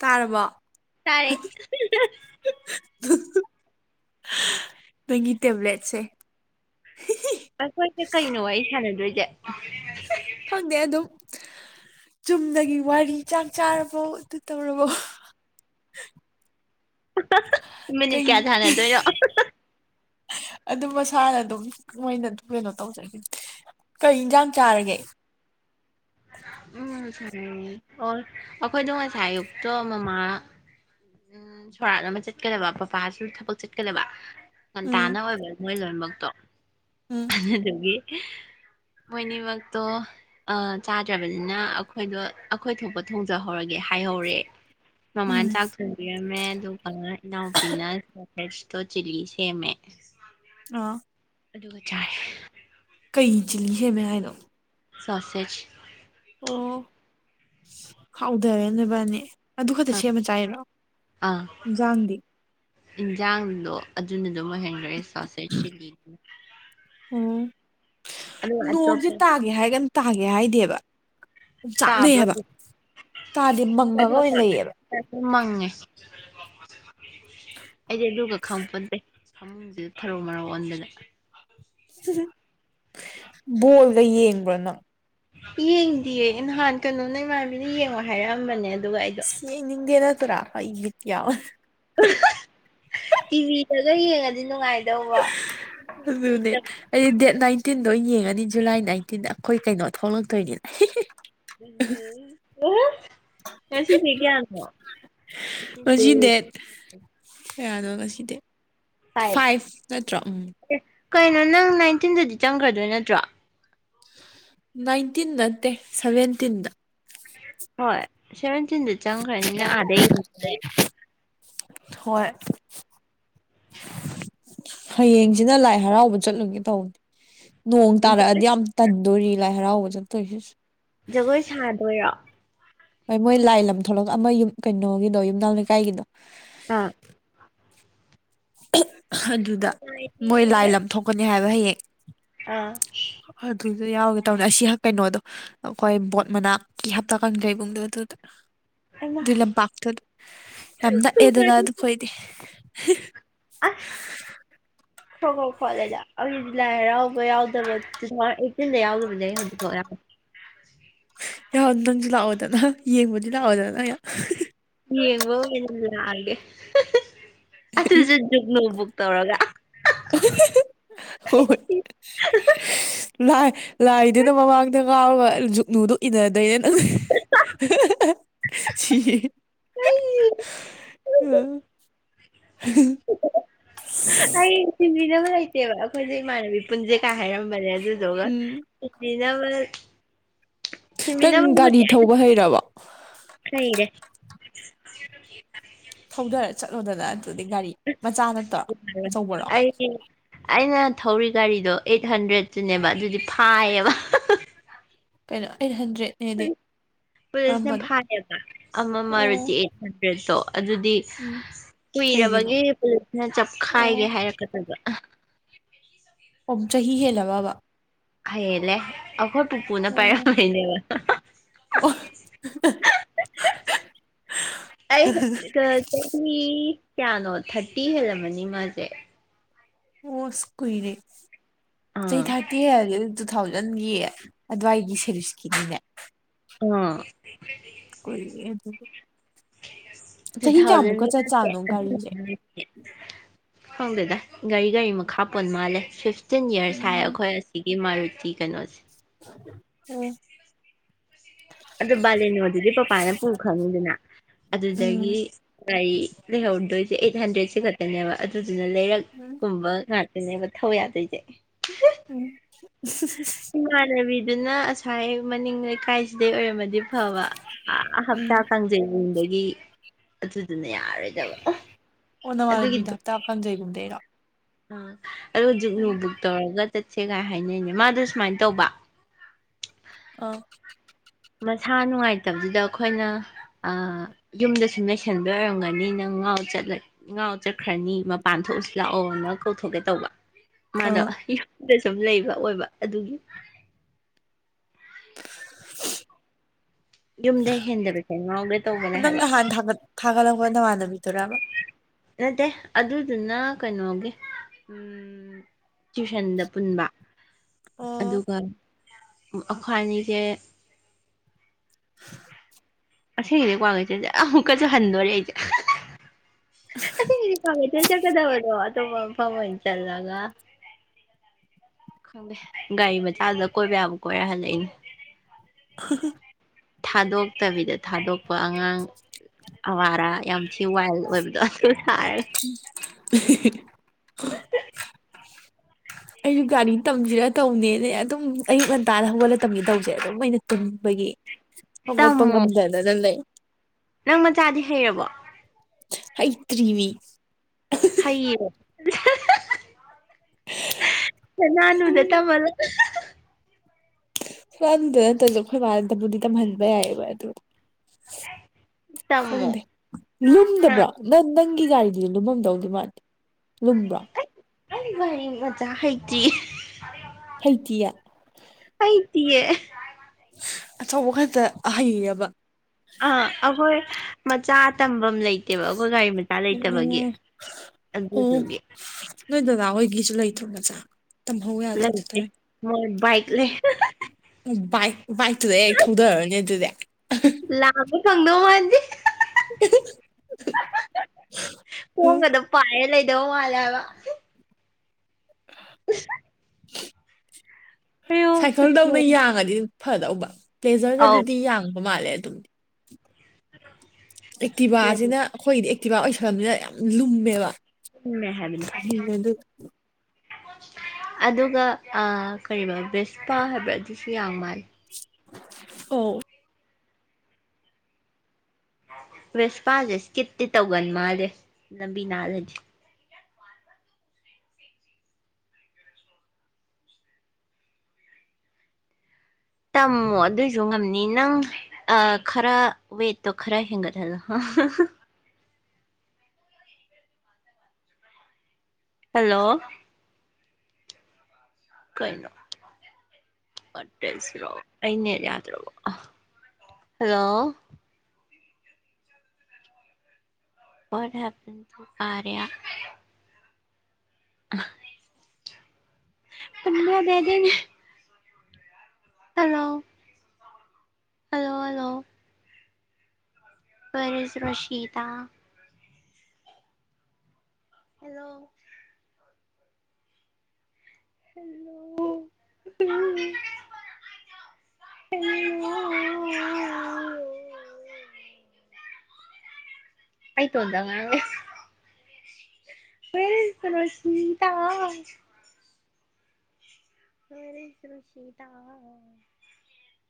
ꯇꯥꯔꯕꯣ ꯇꯥꯔꯦ ꯅꯪꯒꯤ ꯇꯦꯕ꯭ꯂꯦꯠꯁꯦ ꯑꯈꯣꯏꯁꯦ ꯀꯩꯅꯣ ꯋꯥꯔꯤ ꯁꯥꯟꯅꯗꯣꯏꯁꯦ ꯈꯪꯗꯦ ꯑꯗꯨ ꯆꯨꯝꯅꯒꯤ ꯋꯥꯔꯤ ꯆꯥꯛ ꯆꯥꯔꯕꯣ ꯑꯗꯨ ꯇꯧꯔꯕꯣ ꯃꯤꯅꯤꯠ ꯀꯌꯥ ꯀꯩꯅꫭ ꯁꯥꯟꯅꯗꯣꯏꯅꯣ ꯑꯗꯨ ꯃꯁꯥꯅ ꯑꯗꯨꯝ ꯃꯣꯏꯅ ꯀꯩꯅꯣ ꯇꯧꯖꯔꯤꯅꯦ ꯀꯩ ꯏꯟꯖꯥꯡ ꯆꯥꯔꯒꯦ ꯎꯝ ꯑꯣ ꯑꯩꯈꯣꯏꯗ ꯉꯁꯥꯏꯑꯌꯨꯛꯇꯣ ꯃꯃꯥ ꯎꯝ ꯁꯣꯔꯥꯠ ꯑꯃ ꯆꯠꯀꯗꯕ ꯄꯄꯥꯁꯨ ꯊꯕꯛ ꯆꯠꯀꯗꯕ ꯎꯝ ꯉꯟꯇꯥꯅ ꯑꯣꯏꯕ ꯃꯣꯏ ꯂꯣꯏꯃꯛꯇꯣ ꯎꯝ ꯑꯗꯨꯗꯨꯒꯤ ꯃꯣꯏꯅꯤꯃꯛꯇꯣ ꯑ ꯆꯥꯗ꯭ꯔꯕꯅꯤꯅ ꯑꯩꯈꯣꯏꯗꯣ ꯑꯩꯈꯣꯏ ꯊꯣꯛꯄ ꯊꯣꯡꯖꯍꯧꯔꯒꯦ ꯍꯥꯏꯍꯧꯔꯦ ꯃꯃꯥꯅ ꯎꯝ ꯆꯥꯥꯛ ꯊꯣ ꯕꯤꯔꯝꯃꯦ ꯑꯗꯨꯒ ꯏꯅꯥꯎꯄꯤꯅ ꯁꯣꯚꯦꯁꯇꯣꯠ ꯆꯤꯂꯤ ꯁꯦꯝꯃꯦ ꯑ ꯑꯗꯨꯒ ꯆꯥꯏꯑꯦ ꯀꯩ ꯆꯤꯂꯤ ꯁꯦꯝꯃꯦ ꯍꯥꯏꯅꯣ ꯁꯥꯁꯦꯠꯁ ꯑꯣ ꯍꯥꯎꯗꯔꯦ ꯅꫭꯏꯕꯥꯏꯅꯤ ꯑꯗꯨ ꯈꯛꯇ ꯑ ꯁꯦꯝꯃ ꯆꯥꯏꯔꯣ ꯏꯟꯖꯥꯡꯗꯤ ꯏꯟꯁꯥꯡꯗꯣ ꯑꯗꯨꯅ ꯑꯗꯨꯝ ꯑꯣꯏꯍꯦꯟꯒꯔꯦ ꯁꯥꯁꯦꯠꯁ ꯆꯤꯂꯤ ꯑꯣ ꯑꯗꯨꯒ ꯅꯣꯡꯖꯦ ꯑꯇꯣꯞꯄ ꯇꯥꯒꯦ ꯍꯥꯏꯒꯟ ꯇꯥꯒꯦ ꯍꯥꯏꯗꯦꯕ ꯑꯣꯞꯆꯥꯛꯅꯩ ꯇꯥꯕ꯭ꯔꯣ ꯍꯥꯏꯕ ꯇꯥꯗꯦ ꯃꯪꯉꯒ ꯑꯣꯏꯅ ꯂꯩꯌꯦꯕ ꯁꯤꯗꯁꯨ ꯃꯪꯉꯦ ꯑꯩꯗꯤ ꯑꯗꯨꯒ ꯈꯪꯄꯣꯟꯇꯦ ꯐꯃꯨꯡꯖꯤꯗ ꯊꯔꯣ ꯃꯥꯔꯣ ꯑꯣꯟꯗꯅ ꯕꯣꯜꯒ ꯌꯦꯡꯕ꯭ꯔꯣ ꯅꯪ ꯌꯦꯡꯗꯤꯌꯦ ꯅꯍꯥꯟ ꯀꯩꯅꯣꯅ ꯏꯃꯥꯟꯅꯕꯤꯅ ꯌꯦꯡꯉꯣ ꯍꯥꯏꯔꯛꯑꯝꯕꯅꯦ ꯑꯗꯨꯒ ꯑꯩ ꯌꯦꯡꯅꯤꯡꯗꯦ ꯅꯠꯇ꯭ꯔꯥ ꯑꯩ ꯒꯤꯠ ꯌꯥꯎ ꯇꯤꯚꯤꯗꯒ ꯌꯦꯡꯉꯗꯤ ꯅꯨꯡꯉꯥꯏ ꯑꯗꯨꯅꯦ ꯑꯩꯗꯤ ꯗꯦꯠ ꯅꯥꯏꯟꯇꯤꯟꯗꯣ ꯑꯣꯏꯅ ꯌꯦꯡꯉꯅꯤ ꯖꯨꯂꯥꯏ ꯅꯥꯏꯟꯇꯤꯟꯗ ꯑꯩꯈꯣꯏ ꯀꯩꯅꯣ ꯊꯣꯛꯂꯛꯇꯣꯏꯅꯤ ꯉꯁꯤ ꯗꯦꯠ ꯀꯌꯥꯅꯣ ꯉꯁꯤ ꯗꯦꯠ ꯀꯌꯥꯅꯣ ꯉꯁꯤ ꯗꯦꯠ ꯐꯥꯏꯚ ꯅꯠꯇ꯭ꯔꯣ ꯎꯝ ꯑꯦ ꯀꯩꯅꯣ ꯅꯪ ꯅꯥꯏꯟꯇꯤꯟꯗꯗꯤ ꯆꯪꯒ꯭ꯔꯗꯣꯏ ꯅꯠꯇ꯭ꯔꯣ ꯅꯥꯏꯟꯇꯤꯟ ꯅꯠꯇꯦ ꯁꯚꯦꯟꯇꯤꯟꯗ ꯍꯣꯏ ꯁꯦꯚꯦꯟꯇꯤꯟꯗ ꯆꯪꯈ꯭ꯔꯅꯤꯅ ꯑꯥꯗꯩ ꯌꯦꯡ ꯍꯣꯏ [inaudible] ꯍꯌꯦꯡꯖꯤꯅ ꯂꯥꯏ ꯍꯔꯥꯎꯕ ꯆꯠꯂꯨꯒꯦ ꯇꯧꯅꯤ ꯅꯣꯡ ꯇꯥꯔꯛꯑꯗꯤ ꯌꯥꯝ ꯇꯟꯗꯣꯔꯤ ꯂꯥꯏ ꯍꯔꯥꯎꯕ ꯆꯠꯇꯣꯏꯁꯤꯁꯨ ꯖꯒꯣꯏ ꯁꯥꯗꯣꯏꯔꯣ ꯍꯣꯏ ꯃꯣꯏ ꯂꯥꯏ ꯂꯝ ꯊꯣꯛꯂꯛꯑꯒ ꯑꯃ ꯌꯨꯝ ꯀꯩꯅꯣꯒꯤꯗꯣ ꯌꯨꯝꯅꯥꯎ ꯂꯩꯀꯥꯏꯒꯤꯗꯣ ꯑ ꯑꯗꯨꯗ ꯁꯉꯥꯏꯗꯤ ꯃꯣꯏ ꯂꯥꯏ ꯂꯝ ꯊꯣꯛꯀꯅꯤ ꯍꯥꯏꯕ ꯍꯌꯦꯡ ꯑꯥ ꯑꯗꯨꯗ ꯌꯥꯎꯒꯦ ꯇꯧꯅꯦ ꯑꯁꯤ ꯍꯛ ꯀꯩꯅꯣꯗꯣ ꯑꯩꯈꯣꯏ ꯕꯣꯠ ꯃꯅꯥꯛꯀꯤ ꯍꯞꯇꯥ ꯀꯥꯡꯖꯩꯕꯨꯡꯗꯣ ꯑꯗꯨꯗ ꯍꯩꯃꯥ ꯑꯗꯨꯏ ꯂꯝꯄꯥꯛꯇꯨꯗ ꯌꯥꯝ ꯅꯛꯑꯦꯗꯅ ꯁꯉꯥꯏ ꯑꯗꯨ ꯈꯣꯏꯗꯤ ꯑꯁ ꯈ꯭ꯔꯣ ꯈ꯭ꯔꯣ ꯈꯣꯠꯂꯦꯗ ꯑꯩꯒꯤꯗꯤ ꯂꯥꯏ ꯍꯔꯥꯎꯕ ꯌꯥꯎꯗꯕ ꯇꯨꯊꯥꯎꯖꯟ ꯑꯩꯠꯇꯤꯟꯗ ꯌꯥꯎꯗꯕꯅꯦ ꯍꯧꯖꯤꯛꯐꯥꯎ ꯌꯥꯎ ꯅꯪꯖꯨ ꯂꯥꯛꯑꯣꯗꯅ ꯌꯦꯡꯕꯗꯤ ꯂꯥꯛꯑꯣꯗꯅ ꯌꯦꯡꯕ ꯑꯣꯏꯅ ꯂꯥꯛꯑꯒꯦ ꯑꯗꯨꯖꯨ ꯖꯨꯒꯨꯅꯨꯛ ꯕꯨꯛ ꯇꯧꯔꯒ ꯍꯣꯏ ꯂꯥꯏ ꯂꯥꯏꯗꯨꯅ ꯃꯃꯥꯡꯗ ꯉꯥꯎꯔꯒ ꯖꯨꯛꯅꯨꯗꯨ ꯏꯟꯅꯗꯣꯏꯅꯦ ꯅꯪ ꯁꯤꯑꯦ [unintelligible] ꯑꯩ ꯊꯤꯟꯕꯤꯅꯕ ꯂꯩꯇꯦꯕ ꯑꯩꯈꯣꯏꯖꯦ ꯏꯃꯥꯟꯅꯕꯤ ꯄꯨꯟꯖꯦ ꯀꯥꯏ ꯍꯥꯏꯔꯝꯕꯅꯦ ꯑꯗꯨꯗꯨꯒ ꯎꯄꯤꯅꯕꯅ ꯇꯟ ꯒꯥꯔꯤ ꯊꯧꯕ ꯍꯩꯔꯕꯣ ꯈꯩꯔꯦ ꯊꯧꯗꯔ ꯆꯠꯂꯣꯗꯅ ꯑꯗꯨꯗꯤ ꯒꯥꯔꯤ ꯃꯆꯥ ꯅꯠꯇ꯭ꯔꯣ ꯌꯥꯔꯣꯏ ꯑꯆꯧꯕꯔꯣ ꯑꯩ ꯑꯩꯅ ꯊꯧꯔꯤ ꯒꯥꯔꯤꯗꯣ ꯑꯩꯠ ꯍꯟꯗ꯭ꯔꯦꯟꯠꯇꯨꯅꯦꯕ ꯑꯗꯨꯗꯤ ꯐꯥꯏꯌꯦꯕ ꯀꯩꯅꯣ ꯑꯩꯠ ꯍꯟꯗ꯭ꯔꯦꯟꯠꯅꯦꯗꯤ ꯄꯨꯂꯤꯁꯅ ꯐꯥꯏꯌꯦꯕ ꯑꯃ ꯑꯣ ꯃꯥꯨꯇꯤ ꯑꯩꯠ ꯍꯟꯗ꯭ꯔꯦꯠꯇꯣ ꯑꯗꯨꯗꯤ ꯎꯝ ꯀꯩꯒꯤꯅꯣ ꯀꯨꯏꯔꯕꯒꯤ ꯄꯨꯂꯤꯁꯅ ꯑꯣ ꯆꯞꯈꯥꯏꯒꯦ ꯍꯥꯏꯔꯛꯀꯗꯕ ꯑꯣꯞ ꯆꯍꯤ ꯍꯦꯜꯂꯕꯕ ꯍꯩꯌꯦꯜꯂꯦ ꯑꯩꯈꯣꯏ ꯄꯨꯄꯨꯅ ꯑꯣ ꯄꯥꯏꯔꯝꯕꯩꯅꯦꯕꯥ ꯑꯣ ꯑꯩ ꯑ ꯆꯍꯤ ꯀꯌꯥꯅꯣ ꯊꯥꯔꯇꯤ ꯍꯦꯜꯂꯝꯃꯅꯤ ꯃꯥꯁꯦ ꯑꯣ ꯏꯁ ꯀꯨꯏꯔꯦ ꯆꯍꯤ ꯑꯥ ꯊꯥꯔꯇꯤ ꯍꯦꯜꯂꯦ ꯇꯨ ꯊꯥꯎꯖꯟꯒꯤ ꯑꯗꯨꯋꯥꯏꯒꯤ ꯁꯦꯔꯤꯁꯀꯤꯅꯤꯅꯦ ꯑꯝ ꯀꯨꯏꯔꯦ ꯑꯗꯨ ꯆꯍꯤ ꯊꯥꯎꯖꯟ ꯀꯌꯥꯃꯨꯛꯀ [inaudible] ꯆꯠꯆꯥꯥꯅꯣ ꯒꯥꯔꯤꯁꯦ ꯍꯪꯗꯦꯗ ꯒꯥꯔꯤ ꯒꯥꯔꯤ ꯃꯈꯥ ꯄꯣꯟ ꯃꯥꯜꯂꯦ ꯁꯐ ꯇꯤꯟ ꯌꯔꯁ ꯍꯥꯏ ꯎꯝ ꯑꯩꯈꯣꯏ ꯑꯁꯤꯒꯤ ꯃꯔꯨꯇꯤ ꯀꯩꯅꯣꯁꯦ ꯑꯣ ꯑꯗꯨ ꯕꯥꯂꯦꯅꯣꯗꯨꯗꯤ ꯄꯄꯥꯅ ꯄꯨ ꯈꯪꯉꯤꯗꯅ ꯑꯗꯨꯗꯒꯤ ꯎꯝ ꯒꯥꯔꯤ ꯂꯩꯍꯧꯗꯣꯏꯁꯦ ꯑꯩꯠ ꯍꯟꯗ꯭ꯔꯦꯠꯁ ꯈꯛꯇꯅꯦꯕ ꯑꯗꯨꯗꯨꯅ ꯂꯩꯔꯛ ꯑꯝ ꯑꯗꯨꯝꯕ ꯉꯥꯛꯇꯅꯦꯕ ꯊꯊꯧ ꯌꯥꯗꯣꯏꯁꯦ ꯎꯝ ꯏꯃꯥꯟꯅꯕꯤꯗꯨꯅ ꯉꯁꯥꯏ ꯃꯅꯤꯡ ꯂꯩꯀꯥꯏꯁꯤꯗꯩ ꯑꯣꯏꯔꯝꯃꯗꯤ ꯐꯕ ꯑ ꯎꯝ ꯍꯞꯇꯥ ꯀꯥꯡꯖꯩꯗꯒꯤ ꯑꯗꯨꯗꯨꯅ ꯌꯥꯔꯣꯏꯗꯕ ꯑꯣ ꯅꯃꯥꯟꯅꯕꯤꯗ ꯍꯞꯇꯥ ꯀꯥꯡꯖꯩꯒꯨꯝꯗꯩꯔꯣ ꯑ ꯑꯗꯣ ꯍꯧꯖꯤꯛꯅꯨ ꯕꯨꯛ ꯇꯧꯔꯒ ꯆꯠꯁꯦꯒꯥꯏ ꯍꯥꯏꯅꯩꯅꯦ ꯃꯥꯗꯣ ꯁꯨꯃꯥꯏꯅ ꯇꯧꯕ ꯑꯥ ꯃꯁꯥ ꯅꯨꯡꯉꯥꯏꯇꯕꯗꯨꯗ ꯑꯩꯈꯣꯏꯅ ꯑ ꯌꯨꯝꯗꯁꯨꯨꯝ ꯂꯩꯩꯁꯟꯕ ꯑꯣꯏꯔꯝꯒꯅꯤ ꯅꯪ ꯉꯥꯎ ꯆꯠꯂ ꯉꯥꯎ ꯆꯠꯈ꯭ꯔꯅꯤ ꯃꯄꯥꯟ ꯊꯣꯛꯎꯁꯤ ꯂꯥꯛꯑꯣꯅ ꯀꯧꯊꯣꯛꯀꯦ ꯇꯧꯕ ꯃꯥꯗꯣ ꯑꯥ ꯌꯨꯝꯗ ꯁꯨꯝ ꯂꯩꯕ ꯑꯣꯏꯕ ꯑꯗꯨꯒꯤ ꯌꯨꯝꯗꯩ ꯍꯦꯟꯗꯕꯁꯦ ꯉꯔꯥꯎꯒꯦ ꯇꯧꯕꯅꯦ ꯅꯪ ꯍꯥꯏꯕ ꯅꯍꯥꯟ ꯊꯥꯒꯠ ꯊꯥꯒꯠꯂꯛꯄ ꯅ ꯋꯥꯥꯟꯅꯕꯤꯗꯣꯏꯣꯔꯕ ꯅꯠꯇꯦ ꯑꯗꯨꯗꯨꯅ ꯀꯩꯅꯣꯒꯤ ꯎ ꯇ꯭ꯋꯨꯏꯁꯟꯗ ꯄꯨꯟꯕ ꯑꯣ ꯑꯗꯨꯒ ꯑꯈ꯭ꯋꯥꯏꯅꯤꯁꯦ [inaudible] ꯑꯁꯤꯒꯤꯗꯤ ꯀ꯭ꯋꯥ ꯀꯩꯊꯦꯟꯖꯦ ꯑꯃꯨꯛꯀꯁꯨ ꯍꯟꯗꯣꯔꯦ ꯑꯩꯖꯦ ꯑꯁꯤꯒꯤꯗꯤ ꯀ꯭ꯋꯥ ꯀꯩꯊꯦꯟ ꯆꯠꯀꯗꯕꯗꯣ ꯑꯇꯣꯞꯄ ꯃꯐꯝ ꯑꯣꯏꯅ ꯆꯜꯂꯒ ꯈꯪꯗꯦ ꯒꯥꯔꯤ ꯃꯆꯥꯗꯨꯗ ꯀꯣꯏꯕ ꯌꯥꯕ ꯀꯣꯏꯔꯦ ꯍꯜꯂꯛꯏꯅꯦ [inaudible] ꯊꯥꯗꯣꯛꯇꯕꯤꯗ ꯊꯥꯗꯣꯛꯄ ꯑꯉꯥꯡ ꯑꯋꯥꯔꯥ ꯌꯥꯝ ꯊꯤ ꯋꯥꯏꯜ ꯑꯣꯏꯕꯗꯣ ꯑꯗꯨ ꯁꯥꯔ [unintelligible] ꯑꯩꯖꯨ ꯒꯥꯔꯤ ꯇꯝꯖꯤꯔꯥ ꯇꯧꯅꯦꯅꯦ ꯑꯗꯨꯝ ꯑꯌꯨꯛ ꯉꯟꯇꯥꯗ ꯍꯧꯒꯠꯂ ꯇꯝꯒꯦ ꯇꯧꯕꯖꯦ ꯑꯗꯨꯝ ꯑꯩꯅ ꯇꯨꯝꯕꯒꯤ ꯍꯧꯒꯠꯄꯥ ꯇꯝꯃꯣ ꯉꯝꯗꯅꯥ ꯂꯩ ꯅꯪ ꯃꯆꯥꯗꯤ ꯍꯩꯔꯕꯣ ꯍꯩꯇ꯭ꯔꯤꯃꯤ ꯍꯩꯌꯦ ꯅꯥꯅꯨꯗ ꯇꯝꯃꯂꯣ ꯁꯝꯗ ꯅꯠꯇ꯭ꯔꯁꯨ ꯑꯩꯈꯣꯏ ꯃꯜꯗꯕꯨꯗꯤ ꯇꯝꯍꯟꯕ ꯌꯥꯏꯑꯕ ꯑꯗꯨ ꯇꯝꯃꯣ ꯈꯪꯗꯦ ꯂꯨꯝꯗꯕ꯭ꯔꯥ ꯅꯪ ꯅꯪꯒꯤ ꯒꯥꯔꯤꯗꯨꯁꯨ ꯂꯨꯝꯃꯝꯗꯧꯗꯤ ꯃꯥꯗꯤꯦ ꯂꯨꯝꯕ꯭ꯔꯣ ꯍꯩ ꯑꯩ ꯒꯥꯔꯤ ꯃꯆꯥ ꯍꯩꯇ꯭ꯔꯤ ꯍꯩꯇꯤꯌꯦ ꯍꯩꯇꯤꯌꯦ ꯑꯆꯧꯕ ꯈꯛꯇ ꯍꯩ ꯑꯕ ꯑꯥ ꯑꯩꯈꯣꯏ ꯃꯆꯥ ꯇꯝꯕꯝ ꯂꯩ ꯇꯦꯕ ꯑꯩꯈꯣꯏ ꯒꯥꯔꯤ ꯃꯆꯥ ꯂꯩꯇꯕꯒꯤ ꯎꯝ ꯑꯣ ꯑꯗꯨꯗꯨꯒꯤ ꯅꯣꯏ ꯗꯗꯥ ꯍꯣꯏꯒꯤꯁꯨ ꯂꯩꯇꯔꯣ ꯃꯆꯥ ꯇꯝꯍꯧ ꯌꯥꯗ꯭ꯔꯗꯤ ꯂꯩꯇꯦ ꯇꯧꯋꯤ ꯃꯣꯏ ꯕꯥꯏꯛ ꯂꯩ ꯕꯥꯏꯛ ꯕꯥꯏꯛꯇꯨꯗ ꯍꯦꯛ ꯊꯧꯗꯔꯣꯅꯦ ꯑꯗꯨꯗꯤ ꯂꯥꯝꯕ ꯐꯪꯗꯧ ꯃꯥꯟꯗꯦ [unintelligible] ꯈꯣꯡꯒꯗꯣ ꯄꯥꯏꯔ ꯂꯩꯗꯧ ꯃꯥꯜꯂꯦ ꯍꯥꯏꯕ [unintelligible] ꯑꯌꯣ ꯁꯥꯏꯀꯜꯗꯧꯅ ꯈꯨꯊꯨꯝ ꯌꯥꯡꯉꯗꯤ ꯐꯗꯧꯕ ꯑꯧ ꯄ꯭ꯂꯦꯖꯔꯒꯗꯨꯗꯤ ꯌꯥꯡꯕ ꯃꯥꯜꯂꯦ ꯑꯗꯨꯝ ꯑꯦꯛꯇꯤꯕꯥꯖꯤꯅ ꯑꯩꯈꯣꯏꯗꯤ ꯑꯦꯛꯇꯤꯕꯥ ꯑꯣꯏꯁꯜꯂꯕꯅꯤꯅ ꯌꯥꯝ ꯂꯨꯝꯃꯦꯕ ꯂꯨꯝꯃꯦ ꯍꯥꯏꯕꯅꯤ ꯀꯥꯏ ꯑꯗꯨ ꯑꯗꯨꯒ ꯑ ꯀꯔꯤꯕ ꯕꯦꯁꯄꯥ ꯍꯥꯏꯕ꯭ꯔꯥ ꯑꯗꯨꯁꯨ ꯌꯥꯡ ꯃꯥꯜꯂꯦ ꯑꯣ ꯕꯦꯁꯄꯥꯖꯦ ꯏꯁꯀꯤꯞꯇꯤ ꯇꯧꯒꯟ ꯃꯥꯜꯂꯦ ꯂꯝꯕꯤ ꯅꯥꯜꯂꯗꯤ ꯇꯝꯃꯣ ꯑꯗꯨꯏꯖꯨ ꯉꯝꯅꯤ ꯅꯪ ꯑ ꯈꯔ ꯋꯦꯠꯇꯣ ꯈꯔ ꯍꯦꯟꯒꯠꯍꯜꯂꯣ ꯍꯜꯂꯣ ꯀꯩꯅꯣ [unintelligible] ꯑꯩ ꯅꯦꯠ ꯌꯥꯗ꯭ꯔꯕꯣ ꯍꯜꯂꯣ ꯋꯥꯠ ꯍꯦꯄꯟ [unintelligible] [unintelligible] ꯇꯨꯝꯕ ꯌꯥꯗꯦ ꯍꯥꯏꯗꯥꯏꯅꯦ ꯍꯜꯂꯣ ꯍꯜꯂꯣ ꯍꯜꯂꯣ ꯈꯣꯏ ꯑꯅꯤꯁꯤꯔꯣ ꯁꯤꯗꯥ ꯍꯦꯜꯂꯣ ꯍꯜꯂꯣ ꯑꯩ ꯏꯇꯣꯟꯇ ꯉꯥꯡ ꯂꯩ ꯋꯥꯏꯌꯔ ꯏꯁ ꯀꯩꯅꯣ ꯁꯨꯅꯤꯟꯇꯥ [unintelligible]